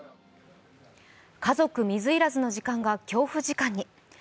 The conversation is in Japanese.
家族水入らずの時間が恐怖時間に。